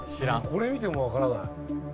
これ見ても分からない。